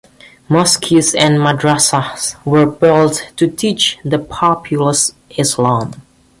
Mosques and Madrassahs were built to teach the populace Islam.